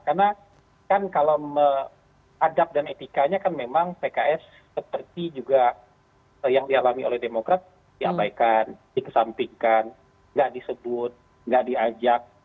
karena kan kalau adab dan etikanya kan memang pks seperti juga yang dialami oleh demokrat diabaikan dikesampingkan nggak disebut nggak diajak